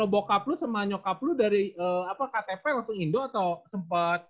bapak lu sama nyokap lu dari ktp langsung indo atau sempet